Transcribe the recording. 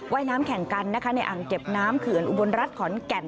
ว่ายน้ำแข่งกันนะคะในอ่างเก็บน้ำเขื่อนอุบลรัฐขอนแก่น